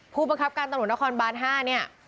ผู้ประคับการตำรวจนครบาน๕